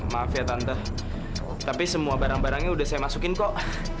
maaf ya tante tapi semua barang barangnya udah saya masukin kok